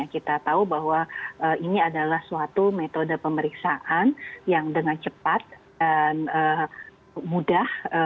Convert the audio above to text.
kita tahu bahwa ini adalah suatu metode pemeriksaan yang dengan cepat dan mudah